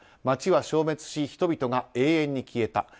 町は消滅し、人々が永遠に消えた。